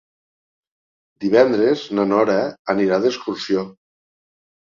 Divendres na Nora anirà d'excursió.